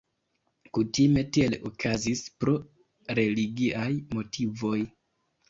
Kutime tiel okazis pro religiaj motivoj.